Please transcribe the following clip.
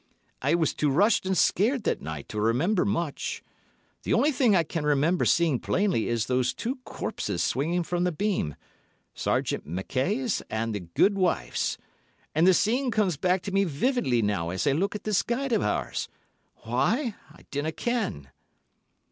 "I was too rushed and scared that night to remember much. The only thing I can remember seeing plainly is those two corpses swinging from the beam—Sergeant Mackay's and the gude wife's—and the scene comes back to me vividly now as I look at this guide of ours. Why, I dinna ken."